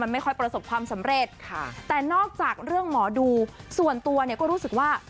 ไม่ค่อยประสบความสำเร็จค่ะแต่นอกจากเรื่องหมอดูส่วนตัวเนี่ยก็รู้สึกว่า